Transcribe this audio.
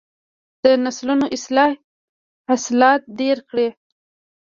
د نسلونو اصلاح حاصلات ډیر کړي.